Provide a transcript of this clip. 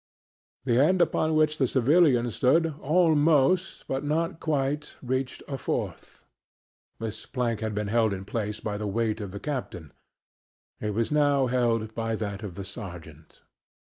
The end upon which the civilian stood almost, but not quite, reached a fourth. This plank had been held in place by the weight of the captain; it was now held by that of the sergeant.